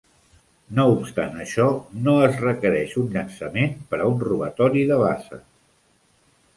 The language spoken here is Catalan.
No obstant això, no es requereix un llançament per a un robatori de base.